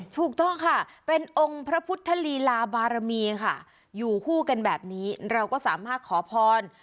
ถูกต้องค่ะเป็นองค์พระพุทธลีลาบารมีค่ะอยู่คู่กันแบบนี้เราก็สามารถขอพร